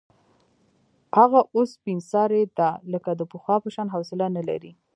هغه اوس سپین سرې ده، لکه د پخوا په شان حوصله نه لري.